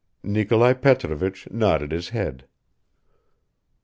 Nikolai Petrovich nodded his head.